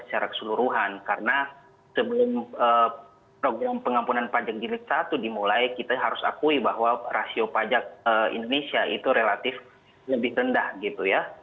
secara keseluruhan karena sebelum program pengampunan pajak jilid satu dimulai kita harus akui bahwa rasio pajak indonesia itu relatif lebih rendah gitu ya